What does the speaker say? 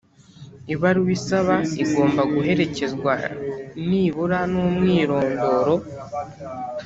ibaruwa isaba igomba guherekezwa nibura n’umwirondoro